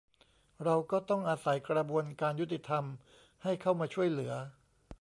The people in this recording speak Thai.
เราก็ต้องอาศัยกระบวนการยุติธรรมให้เข้ามาช่วยเหลือ